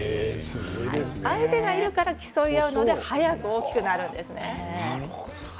相手がいるから競い合うのが早く大きくなるんですね。